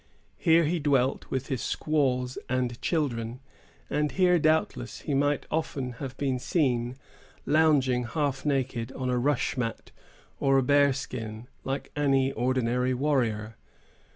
Here he dwelt, with his squaws and children; and here, doubtless, he might often have been seen, lounging, half naked, on a rush mat, or a bear skin, like any ordinary warrior.